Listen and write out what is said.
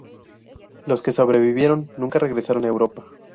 Los que sobrevivieron nunca regresaron a Europa.